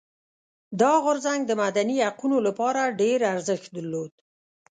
دا غورځنګ د مدني حقونو لپاره ډېر ارزښت درلود.